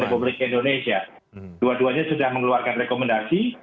republik indonesia dua duanya sudah mengeluarkan rekomendasi